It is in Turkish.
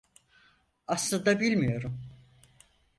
Aslında, bilmiyorum.